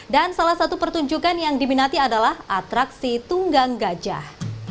dan salah satu pertunjukan yang diminati adalah atraksi tunggang gajah